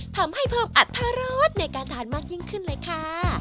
ทำให้เพิ่มอัตรรสในการทานมากยิ่งขึ้นเลยค่ะ